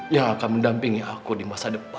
yang akan mendampingi aku di masa depan